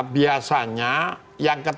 biasanya yang ketatnya